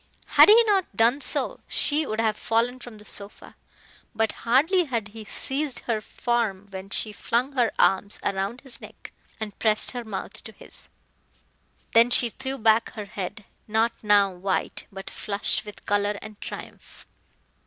Had he not done so she would have fallen from the sofa. But hardly had he seized her form when she flung her arms round his neck and pressed her mouth to his. Then she threw back her head, not now white, but flushed with color and triumph.